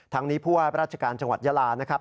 นี้ผู้ว่าราชการจังหวัดยาลานะครับ